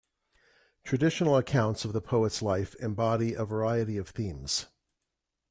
Traditional accounts of the poet's life embody a variety of themes.